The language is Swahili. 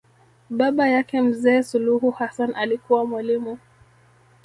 Baba yake mzee Suluhu Hassan alikuwa mwalimu